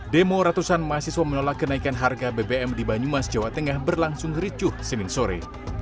demo ratusan mahasiswa menolak kenaikan harga bbm di banyumas jawa tengah berlangsung ricuh senin sore